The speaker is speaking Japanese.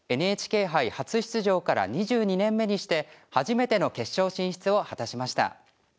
ＮＨＫ杯初出場から２２年目にして初めての決勝進出を果たしました。